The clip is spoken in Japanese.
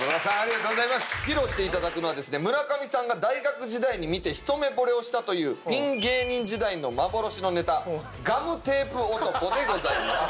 披露していただくのはですね村上さんが大学時代に見てひと目ぼれをしたというピン芸人時代の幻のネタ「ガムテープ男」でございます。